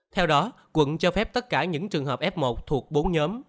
theo đó quận cho phép tất cả những trường hợp f một thuộc bốn nhóm